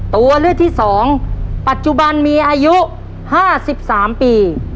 ตัวเลือกที่๒ปัจจุบันมีอายุ๕๓ปี